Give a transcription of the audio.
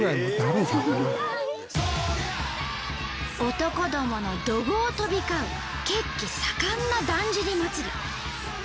男どもの怒号飛び交う血気盛んなだんじり祭。